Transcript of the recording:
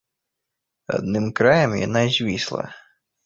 Адным краем яна звісла.